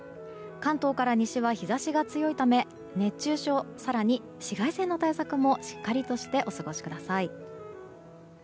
関東から西は日差しが強いため熱中症、更に紫外線の対策もしっかりしてお過ごしください。